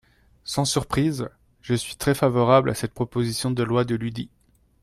Sans surprise, je suis très favorable à cette proposition de loi de l’UDI.